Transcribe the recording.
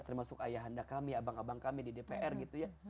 termasuk ayah anda kami abang abang kami di dpr gitu ya